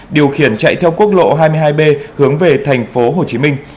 điều khiển chạy theo quốc lộ hai mươi hai b hướng về thành phố hồ chí minh